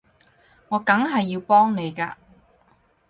我梗係要幫你㗎